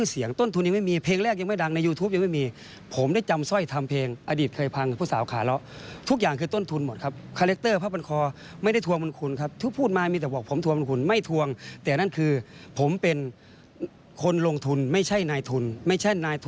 สารก็จะนัดไต่สวนคำร้องของคุ้มครองชั่วคราวนะคะ